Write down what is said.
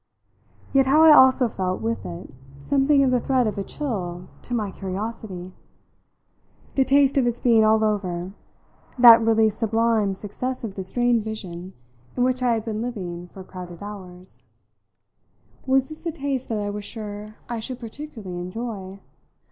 Yet how I also felt, with it, something of the threat of a chill to my curiosity! The taste of its being all over, that really sublime success of the strained vision in which I had been living for crowded hours was this a taste that I was sure I should particularly enjoy?